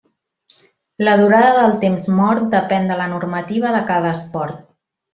La durada del temps mort depèn de la normativa de cada esport.